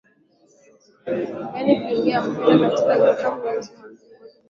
yaani kuingiza mpira katika nyavu zilizosimamishwa na milingoti mitatu kulia Kushoto na juu